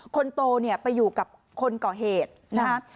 คนโตเนี่ยไปอยู่กับคนก่อเหตุนะครับ